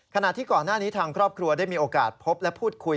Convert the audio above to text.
ขณะที่ก่อนหน้านี้ทางครอบครัวได้มีโอกาสพบและพูดคุย